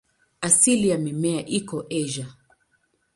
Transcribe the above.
Asili ya mimea iko Asia.